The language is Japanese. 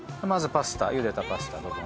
まずパスタ茹でたパスタ。